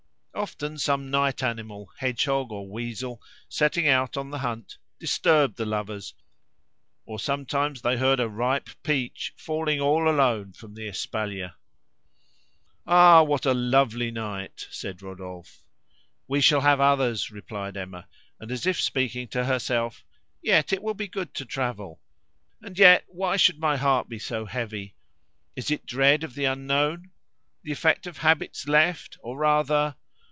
Often some night animal, hedgehog or weasel, setting out on the hunt, disturbed the lovers, or sometimes they heard a ripe peach falling all alone from the espalier. "Ah! what a lovely night!" said Rodolphe. "We shall have others," replied Emma; and, as if speaking to herself: "Yet, it will be good to travel. And yet, why should my heart be so heavy? Is it dread of the unknown? The effect of habits left? Or rather